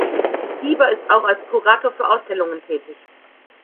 Hieber ist auch als Kurator für Ausstellungen tätig.